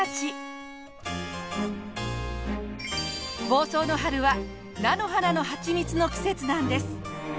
房総の春は菜の花のはちみつの季節なんです。